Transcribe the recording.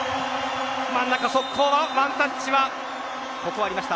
真ん中、速攻のワンタッチはここはありました。